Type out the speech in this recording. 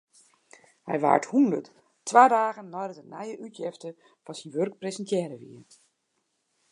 Hy waard hûndert, twa dagen neidat in nije útjefte fan syn wurk presintearre wie.